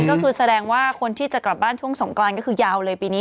ก็คือแสดงว่าคนที่จะกลับบ้านช่วงสงกรานก็คือยาวเลยปีนี้